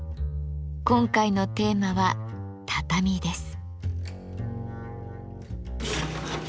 今回のテーマは「畳」です。